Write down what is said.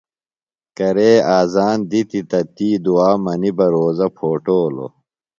کرے اذان دِتیۡ تہ تی دُعا منی بہ روزہ پھوٹولوۡ۔